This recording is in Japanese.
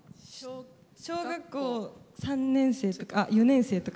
小学校３年生４年生とか。